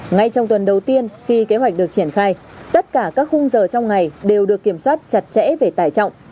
ngay trong tuần đầu tiên khi kế hoạch được triển khai tất cả các khung giờ trong ngày đều được kiểm soát chặt chẽ về tải trọng